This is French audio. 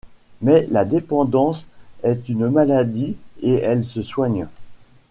Mais la dépendance est une maladie et elle se soigne.